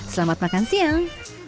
selamat makan siang